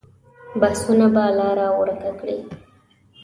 بحثونه به لاره ورکه کړي.